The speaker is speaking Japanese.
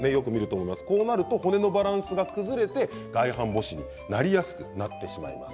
こうなると骨のバランスが崩れて外反ぼしになりやすくなってしまいます。